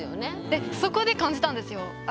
でそこで感じたんですよ。